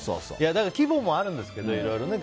規模もあるんですけどね。